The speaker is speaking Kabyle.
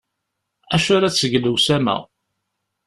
Acu ara d-teg lwesma?